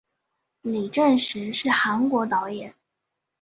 李振石是韩国导演。